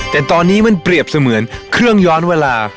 แต่ตอนนี้มันเปรียบเสมือนเครื่องย้อนเวลา